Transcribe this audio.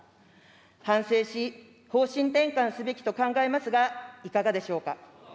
反省し、方針転換すべきと考えますが、いかがでしょうか。